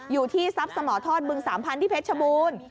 อยู่ที่ทรัพย์สมทอดบึงสามพันธุที่เพชรชบูรณ์